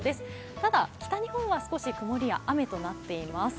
ただ、北日本は少し曇りや雨となっています。